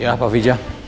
ya pak fija